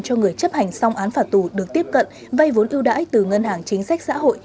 cho người chấp hành xong án phạt tù được tiếp cận vay vốn ưu đãi từ ngân hàng chính sách xã hội